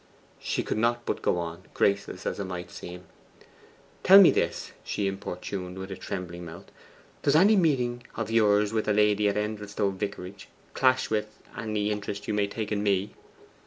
She could not but go on, graceless as it might seem. 'Tell me this,' she importuned with a trembling mouth. 'Does any meeting of yours with a lady at Endelstow Vicarage clash with any interest you may take in me?